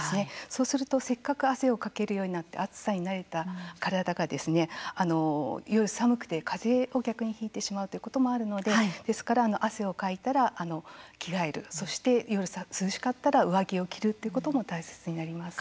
そうすると、せっかく汗をかけるようになって暑さに慣れた体が夜、寒くてかぜを逆にひいてしまうということもあるので、ですから汗をかいたら着替えるそして夜、涼しかったら上着を着るということも大切になります。